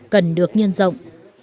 cần được nhân rộng